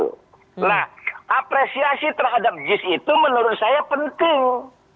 nah apresiasi terhadap jis itu menurut saya penting